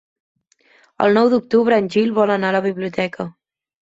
El nou d'octubre en Gil vol anar a la biblioteca.